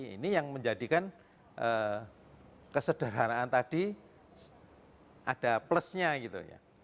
ini yang menjadikan kesederhanaan tadi ada plusnya gitu ya